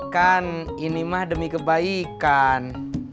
kan ini mah demi kebaikan